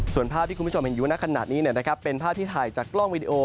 ส่วนภาพที่คุณผู้ชมเห็นอยู่ในขณะนี้เป็นภาพที่ถ่ายจากกล้องวิดีโอ